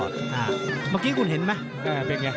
เมื่อกี้คุณเห็นไหม